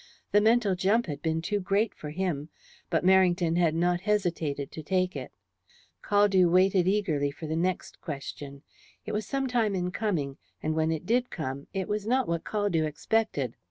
The mental jump had been too great for him, but Merrington had not hesitated to take it. Caldew waited eagerly for the next question. It was some time in coming, and when it did come it was not what Caldew expected.